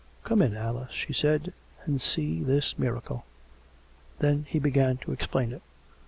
" Come in, Alice," she said, " and see this miracle." Then he began to explain it.